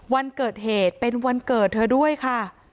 วันเกิดเหตุเป็นวันเกิดเธอด้วยค่ะ